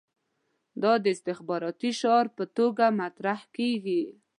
دا د انتخاباتي شعار په توګه مطرح کېږي.